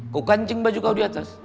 kau kancing baju kau di atas